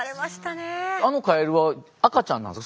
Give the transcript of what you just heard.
あのカエルは赤ちゃんなんですか？